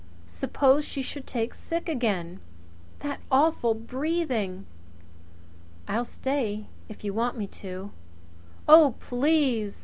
Suppose she should take sick again! That awful awful breathing " "I'll stay if you want me to." "Oh, please!